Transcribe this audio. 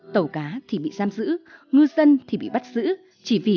tàu cá thì bị giam giữ ngư dân thì bị bắt giữ